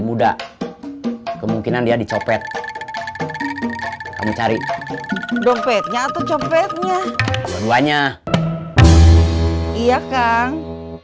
enggak kemungkinan dia dicopet kamu cari dompetnya atau copetnya keduanya iya kang